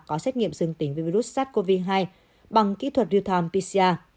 có xét nghiệm dương tính với virus sars cov hai bằng kỹ thuật realm pcr